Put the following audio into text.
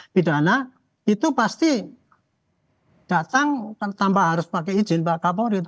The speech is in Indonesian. pidana itu pasti datang tanpa harus pakai izin pak kapolri